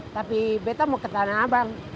tapi beta mau ke tanah abang